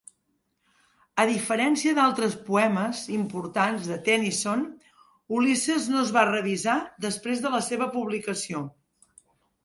A diferència d'altres poemes importants de Tennyson, "Ulysses" no es va revisar després de la seva publicació.